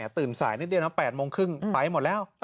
ตื่นสายนิดเดียวนะ๘โมงครึ่งไปหมดแล้ว